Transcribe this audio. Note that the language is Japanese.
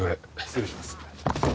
失礼します。